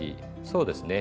そうですね。